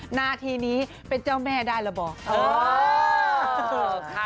หน้าทีนี้เป็นเจ้าแม่ได้หรือเปล่า